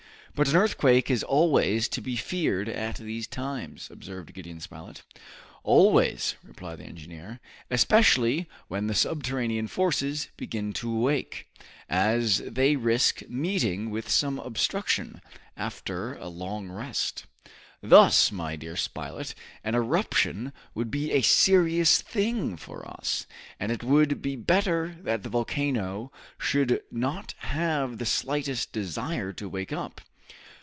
"But an earthquake is always to be feared at these times," observed Gideon Spilett. "Always," replied the engineer, "especially when the subterranean forces begin to awake, as they risk meeting with some obstruction, after a long rest. Thus, my dear Spilett, an eruption would be a serious thing for us, and it would be better that the volcano should not have the slightest desire to wake up.